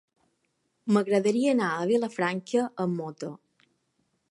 M'agradaria anar a Vilafranca amb moto.